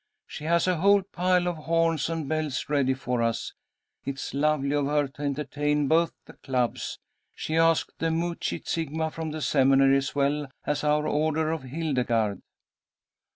She has a whole pile of horns and bells ready for us. It's lovely of her to entertain both the clubs. She's asked the Mu Chi Sigma from the Seminary as well as our Order of Hildegarde."